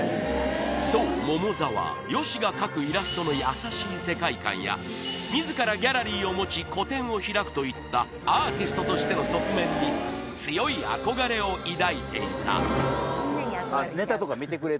そう桃沢善しが描くイラストの優しい世界観や自らギャラリーを持ち個展を開くといったアーティストとしての側面に強い憧れを抱いていたネタ憧れ